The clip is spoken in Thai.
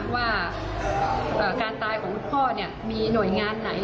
ว่าการตายของคุณพ่อมีหน่วยงานไหน